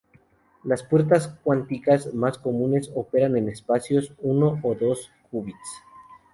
Las puertas cuánticas más comunes operan en espacios de uno o dos qubits.